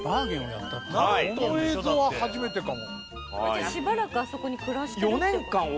じゃあしばらくあそこに暮らしてるって事ですか？